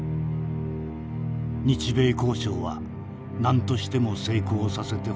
日米交渉は何としても成功させてほしい。